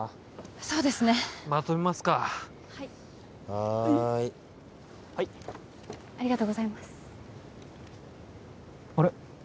そうですねまとめますかはいはいはいありがとうございますあれっ